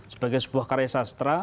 sebagai sebuah karya sastra